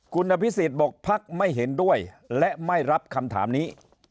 คุณอภิสิทธิ์บกพรรคไม่เห็นด้วยและไม่รับคำถามนี้